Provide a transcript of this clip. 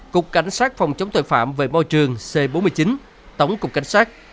cục cảnh sát phòng chống tội phạm về bao trường c bốn mươi chín tổng cục cảnh sát